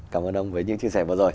cảm ơn ông với những chia sẻ vừa rồi